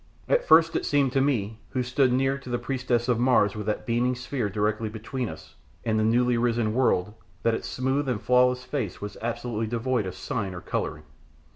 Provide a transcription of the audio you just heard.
At first it seemed to me, who stood near to the priestess of Mars, with that beaming sphere directly between us, and the newly risen world, that its smooth and flawless face was absolutely devoid of sign or colouring.